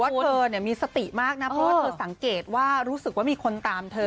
แต่ถือว่าเธอเนี่ยมีสติมากนะเพราะว่าเธอสังเกตว่ารู้สึกว่ามีคนตามเธอ